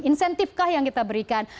menentifkah yang kita berikan